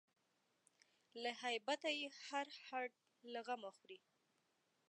له هیبته یې هر هډ له غمه خوري